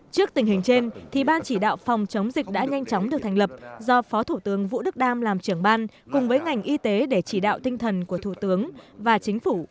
trước tình hình trên thì ban chỉ đạo phòng chống dịch đã nhanh chóng được thành lập do phó thủ tướng vũ đức đam làm trưởng ban cùng với ngành y tế để chỉ đạo tinh thần của thủ tướng và chính phủ